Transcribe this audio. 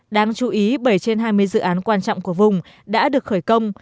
đáng chú ý bảy trên hai mươi dự án quan trọng của vùng đã được khởi công